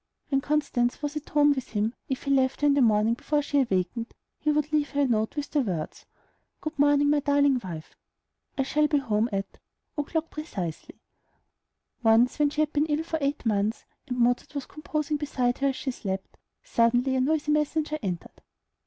When Constance was at home with him, if he left her in the morning before she awakened, he would leave a note for her with the words, "Good morning, my darling wife. I shall be at home at o'clock precisely." Once when she had been ill for eight months, and Mozart was composing beside her as she slept, suddenly a noisy messenger entered.